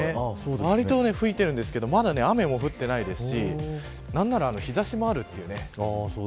割と吹いてるんですけどまだ雨も降ってないですし何なら、日差しもあるというね。